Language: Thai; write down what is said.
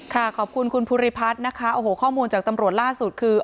ขอบคุณคุณภูริพัฒน์นะคะโอ้โหข้อมูลจากตำรวจล่าสุดคือ